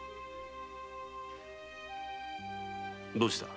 どうした？